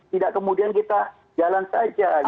tidak kemudian kita jalan saja